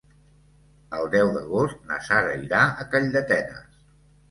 El deu d'agost na Sara irà a Calldetenes.